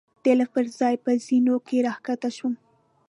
د لېفټ پر ځای په زېنو کې را کښته شوو.